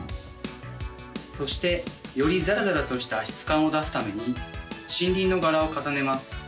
そしてよりザラザラとした質感を出すために森林の柄を重ねます。